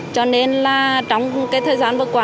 cho nên là trong cái thời gian vừa qua